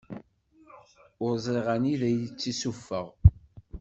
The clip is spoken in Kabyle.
Ur ẓriɣ anida ara yi-tessuffeɣ.